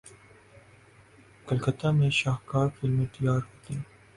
کلکتہ میں شاہکار فلمیں تیار ہوتیں۔